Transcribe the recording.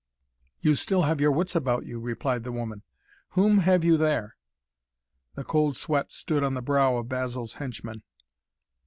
"You still have your wits about you," replied the woman. "Whom have you there?" The cold sweat stood on the brow of Basil's henchman.